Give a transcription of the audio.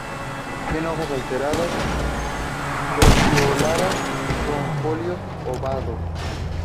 Tiene hojas alternas, pecioladas y con foliolos ovados.